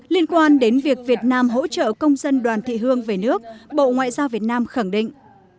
liên quan đến việc việt nam hỗ trợ công dân đoàn thị hương về nước bộ ngoại giao việt nam khẳng định